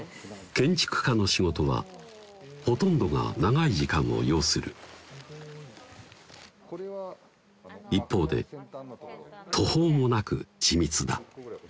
建築家の仕事はほとんどが長い時間を要する一方で途方もなく緻密だ